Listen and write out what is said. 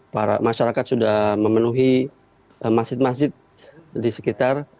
para masyarakat sudah memenuhi masjid masjid di sekitar